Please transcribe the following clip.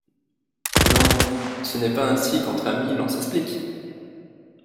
Non, ce n’est pas ainsi qu’entre amis l’on s’explique !